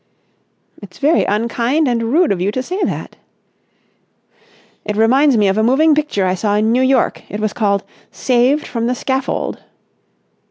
"It's very unkind and rude of you to say that." "It reminds me of a moving picture I saw in New York. It was called 'Saved from the Scaffold.